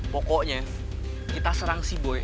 pokoknya kita serang si boy